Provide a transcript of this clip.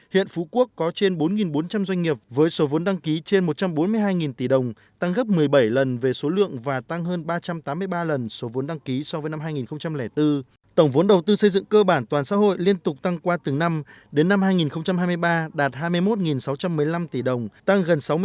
hiện phú quốc có trên bốn bốn trăm linh doanh nghiệp với số vốn đăng ký trên một trăm bốn mươi hai tỷ đồng tăng gấp một mươi bảy lần về số lượng và tăng hơn ba trăm tám mươi ba lần số vốn đăng ký so với năm hai nghìn bốn